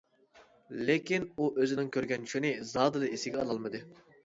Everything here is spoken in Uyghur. لېكىن، ئۇ ئۆزىنىڭ كۆرگەن چۈشىنى زادىلا ئېسىگە ئالالمىدى.